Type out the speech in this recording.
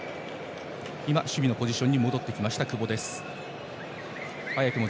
守備のポジションに戻りました、久保です。